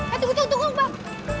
eh tunggu tunggu bang